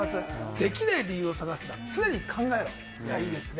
できない理由を探すな常に考えろいいですね。